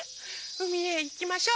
うみへいきましょ。